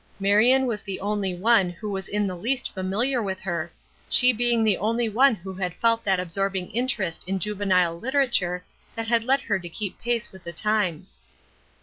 Marion was the only one who was in the least familiar with her, she being the only one who had felt that absorbing interest in juvenile literature that had led her to keep pace with the times.